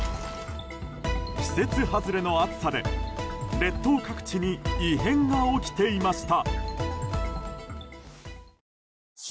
季節外れの暑さで、列島各地に異変が起きていました。